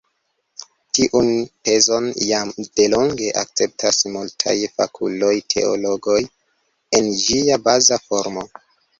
Tiun tezon jam delonge akceptas multaj fakuloj-teologoj en ĝia baza formo.